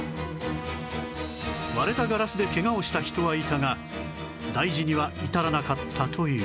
割れたガラスでケガをした人はいたが大事には至らなかったという